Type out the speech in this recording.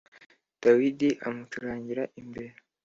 Dawidi amucurangira imbere.